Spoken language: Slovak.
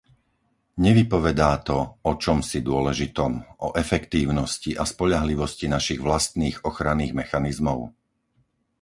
Nevypovedá to o čomsi dôležitom o efektívnosti a spoľahlivosti našich vlastných ochranných mechanizmov?